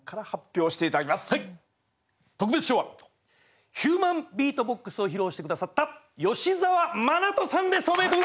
特別賞はヒューマン・ビートボックスを披露して下さった吉澤心都さんですおめでとうございます。